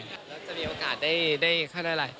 แล้วจะมีโอกาสได้ค่าได้อะไร